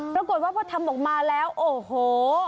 ปรากฏว่าพอทำออกมาแล้วโอ้โห